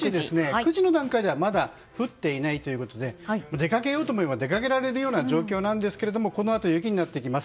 ９時の段階ではまだ降っていないということで出かけようと思えば出かけられる状況なんですがこのあと雪になってきます。